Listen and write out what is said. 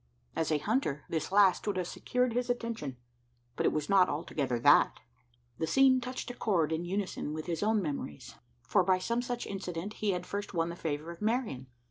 As a hunter, this last would have secured his attention; but it was not altogether that. The scene touched a chord in unison with his own memories; for by some such incident had he first won the favour of Marian.